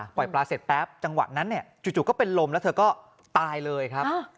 ปลาเสร็จแป๊บจังหวะนั้นเนี่ยจู่ก็เป็นลมแล้วเธอก็ตายเลยครับ